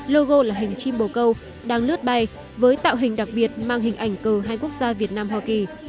logo là hình chim bồ câu đang lướt bay với tạo hình đặc biệt mang hình ảnh cờ hai quốc gia việt nam hoa kỳ